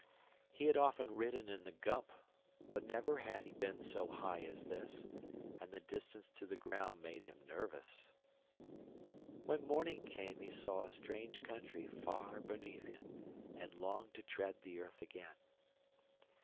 He had often ridden in the Gump; but never had he been so high as this, and the distance to the ground made him nervous. When morning came he saw a strange country far beneath him, and longed to tread the earth again.